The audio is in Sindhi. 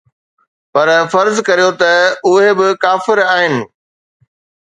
پر فرض ڪريو ته اهي به ڪافر آهن.